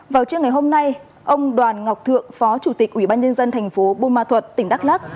vào trưa ngày hôm nay ông đoàn ngọc thượng phó chủ tịch ủy ban nhân dân thành phố buôn ma thuật tỉnh đắk lắc